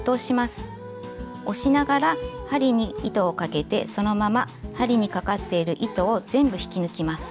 押しながら針に糸をかけてそのまま針にかかっている糸を全部引き抜きます。